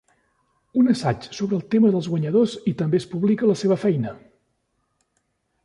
Un assaig sobre el tema dels guanyadors, i també es publica la seva feina.